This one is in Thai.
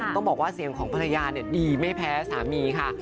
ต้องบอกว่าเสียงของภรรยาดีไม่แพ้สามีค่ะ